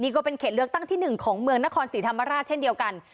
ก็เป็นเขตเลือกตั้งที่๑ของเมืองนครศรีธรรมราชเช่นเดียวกัน